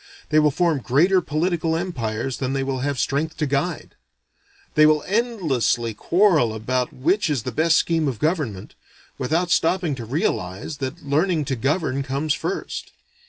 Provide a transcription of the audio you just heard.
They will form greater political empires than they will have strength to guide. They will endlessly quarrel about which is the best scheme of government, without stopping to realize that learning to govern comes first.